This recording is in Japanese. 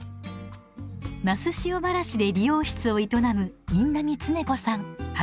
那須塩原市で理容室を営む印南ツネ子さん８３歳。